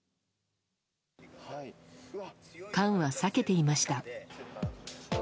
缶は裂けていました。